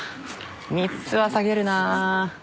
３つは下げるな。